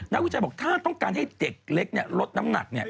นักวิจัยบอกถ้าต้องการให้เด็กเล็กลดน้ำหนัก